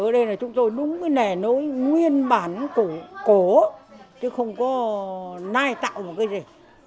đây là chúng tôi đúng cái nẻ nối nguyên bản của cổ chứ không có nai tạo một cái gì